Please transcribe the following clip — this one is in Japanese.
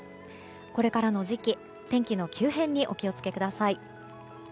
これからの時期、天気の急変にお気をつけください。